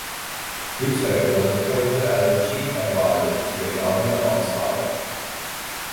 Bhutto was appointed as a chief advisor to the Governor of Sind.